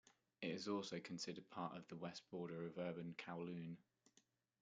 It is also considered part of the west border of urban Kowloon.